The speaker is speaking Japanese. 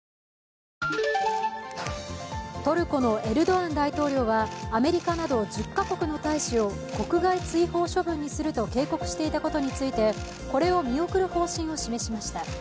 トルコのエルドアン大統領はアメリカなど１０カ国の大使を国外追放処分にすると警告していたことについてこれを見送る方針を示しました。